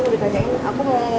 tadi dua tahun ya